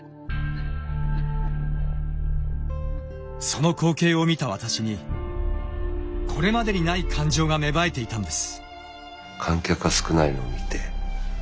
その光景を見た私にこれまでにない感情が芽生えていたんです。